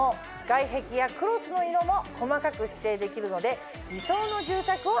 外壁やクロスの色も細かく指定できるので。